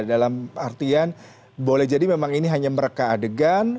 dalam artian boleh jadi memang ini hanya mereka adegan